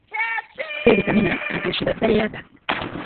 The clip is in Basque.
C bitamina antioxidatzailea da.